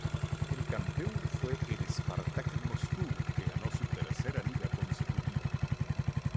El campeón fue el Spartak Moscú, que ganó su tercera liga consecutiva.